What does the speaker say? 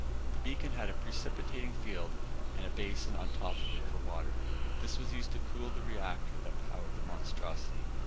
The beacon had a precipitating field and a basin on top of it for water; this was used to cool the reactor that powered the monstrosity.